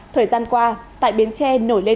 thời gian qua tại biến tre nổi lên